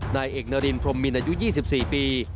นายเอกนารินพรมมินอายุ๒๔ปี